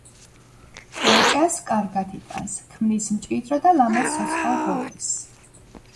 კრეჭას კარგად იტანს, ქმნის მჭიდრო და ლამაზ ცოცხალ ღობეს.